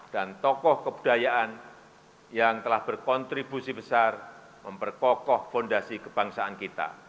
dan tokoh kebudayaan yang telah berkontribusi besar memperkokoh fondasi kebangsaan kita